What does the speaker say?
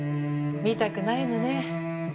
見たくないのね。